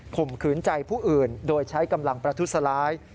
มขืนใจผู้อื่นโดยใช้กำลังประทุษร้าย